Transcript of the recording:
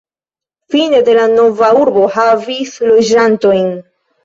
Fine de la nova urbo havis loĝantojn.